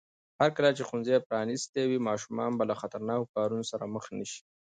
هرکله چې ښوونځي پرانیستي وي، ماشومان به له خطرناکو کارونو سره مخ نه شي.